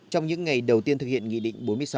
trong những ngày đầu tiên thực hiện nghị định bốn mươi sáu